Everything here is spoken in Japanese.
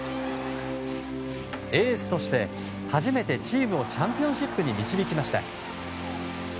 エースとして初めてチームをチャンピオンシップに導きました。